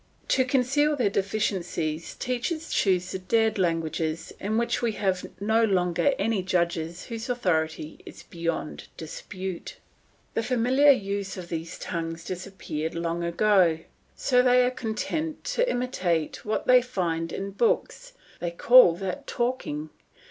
To conceal their deficiencies teachers choose the dead languages, in which we have no longer any judges whose authority is beyond dispute. The familiar use of these tongues disappeared long ago, so they are content to imitate what they find in books, and they call that talking.